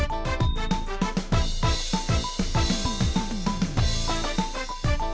ใครชนะได้เลือกก่อน